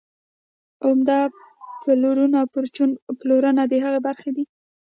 عمده پلورنه او پرچون پلورنه د هغې برخې دي